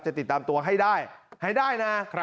จะติดตามตัวให้ได้ให้ได้นะครับ